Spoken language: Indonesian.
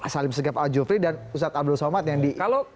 salim segep aljofri dan ustadz abdul somad yang direkomendasikan